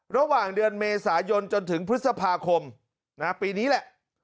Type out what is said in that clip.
ระหว่างเดือนเมษายนจนถึงพฤษภาคมปีนี้แหละ